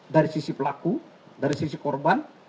dari sisi pelaku dari sisi korban